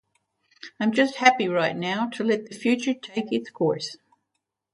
I'm just happy right now to let the future take its course.